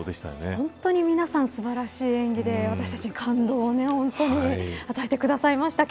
本当に皆さん素晴らしい演技で私たちに感動を与えてくださいました。